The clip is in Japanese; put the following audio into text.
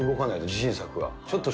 自信作が。